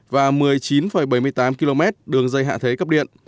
và một mươi chín bảy mươi tám km đường dây hạ thế cấp điện